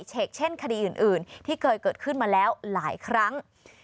เชกเช่นคดีอื่นที่เคยเกิดขึ้นมาแล้วหลายครั้ง